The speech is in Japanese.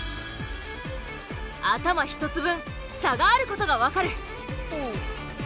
頭１つ分差があることが分かる。